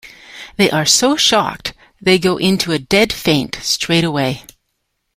They are so shocked they go into a dead faint straight away.